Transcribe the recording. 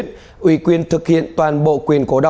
sau khi ông bị khởi tố